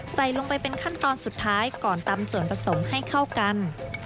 ใส่ลงไปเป็นขั้นตอนสุดท้ายก่อนตำส่วนผสมให้เข้ากัน